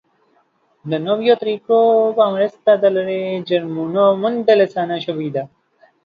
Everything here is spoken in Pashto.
د نویو طریقو په مرسته د لرې جرمونو موندل اسانه شوي دي.